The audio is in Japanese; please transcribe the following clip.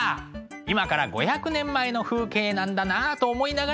今から５００年前の風景なんだなと思いながら見ていただきましょう。